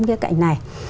cái khía cạnh này